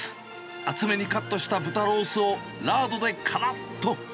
厚めにカットした豚ロースをラードでからっと。